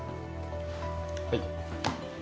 はい。